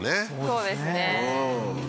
そうですね